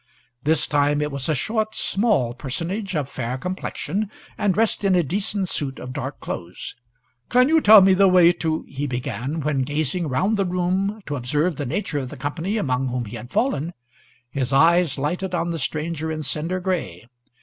This time it was a short, small personage, of fair complexion, and dressed in a decent suit of dark clothes. "Can you tell me the way to " he began; when, gazing round the room to observe the nature of the company among whom he had fallen, his eyes lighted on the stranger in cinder gray.